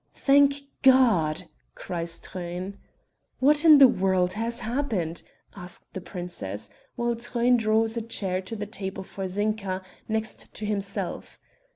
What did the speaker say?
"Thank God!" cries Truyn. "What in the world has happened?" asks the princess, while Truyn draws a chair to the table for Zinka, next to himself.